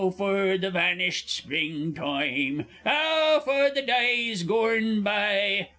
for the vanished Spring toime! Ow! for the dyes gorn boy!